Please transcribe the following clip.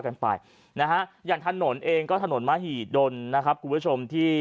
กันไปนะฮะอย่างถนนเองก็ถนนมหิดลนะครับคุณผู้ชมที่